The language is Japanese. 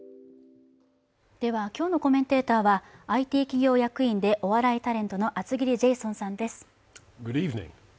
では今日のコメンテーターはＩＴ企業役員で、お笑いタレントのグッドイーブニング！